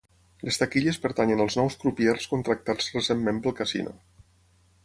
Les taquilles pertanyen als nous crupiers contractats recentment pel casino.